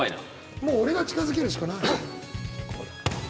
もう俺が近づけるしかない。